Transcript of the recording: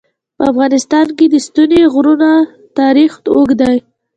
په افغانستان کې د ستوني غرونه تاریخ اوږد دی.